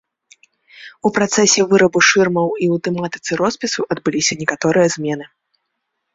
У працэсе вырабу шырмаў і ў тэматыцы роспісу адбыліся некаторыя змены.